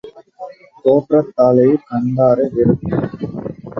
தோற்றத்தாலேயே கண்டாரை வெருட்டும்.